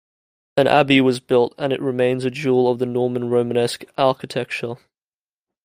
An abbey was built and it remains a jewel of the Norman Romanesque architecture.